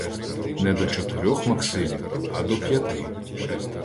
— Не до чотирьох "Максимів", а до п'яти.